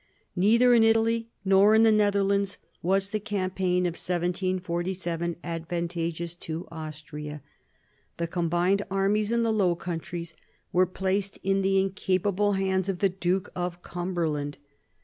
Neither in Italy nor in the Netherlands was the campaign of 1747 advantageous to Austria. The combined armies in the Low Countries were placed in the incapable hands of the Duke of Cumberland.